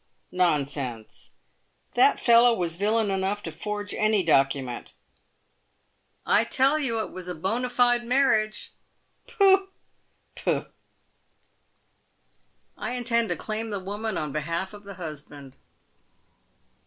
" Nonsense ! that fellow was villain enough to forge any document." " I tell you it was a oonafide marriage." "Pooh! pooh!" 32 PAVED WITH GOLD. " I intend to claim the woman on behalf of the husband."